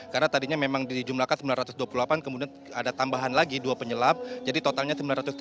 karena tadinya memang dijumlakan sembilan ratus dua puluh delapan kemudian ada tambahan lagi dua penyelam jadi totalnya sembilan ratus tiga puluh